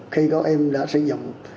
khi có em đã sử dụng